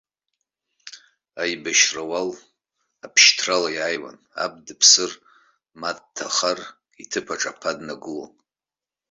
Аибашьра ауал абшьҭрала иааиуан, аб дыԥсыр, ма дҭахар, иҭыԥ аҿы аԥа днагылон.